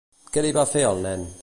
Què li va fer al nen?